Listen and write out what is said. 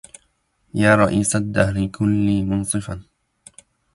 يا رئيس الدهر كن لي منصفا